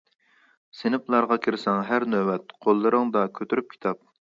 سىنىپلارغا كىرسەڭ ھەر نۆۋەت، قوللىرىڭدا كۆتۈرۈپ كىتاب.